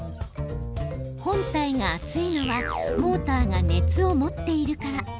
本体が熱いのはモーターが熱を持っているから。